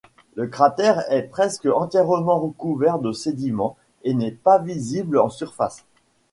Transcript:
Le cratère est presque entièrement recouvert de sédiments et n'est pas visible en surface.